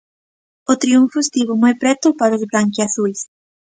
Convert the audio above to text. O triunfo estivo moi preto para os branquiazuis.